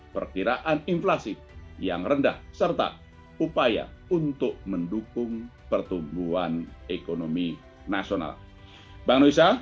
perkiraan inflasi yang rendah serta upaya untuk mendukung pertumbuhan ekonomi nasional